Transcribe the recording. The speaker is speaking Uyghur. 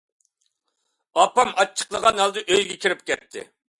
ئاپام ئاچچىقلىغان ھالدا ئۆيگە كىرىپ كەتتى.